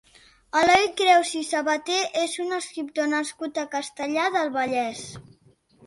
Eloi Creus i Sabater és un escriptor nascut a Castellar del Vallès.